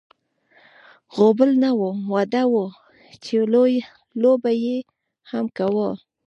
غوبل نه و، واده و چې لو به یې هم کاوه.